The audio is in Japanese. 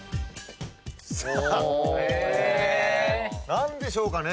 何でしょうかね？